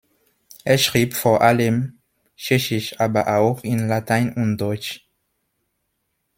Er schrieb vor allem Tschechisch, aber auch in Latein und Deutsch.